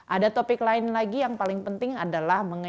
ada topik lain lagi yang paling penting adalah